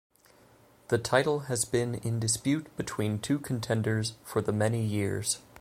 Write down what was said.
The title has been in dispute between two contenders for the many years.